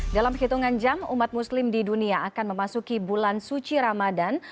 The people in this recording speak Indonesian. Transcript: dalam hitungan jam umat muslim di dunia akan memasuki bulan suci ramadan